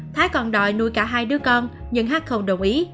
thái còn đòi nuôi cả hai đứa con nhưng hát không đồng ý